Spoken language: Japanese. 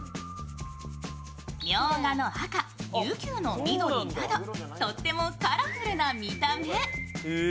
みょうがの赤、りゅうきゅうの緑などとってもカラフルな見た目。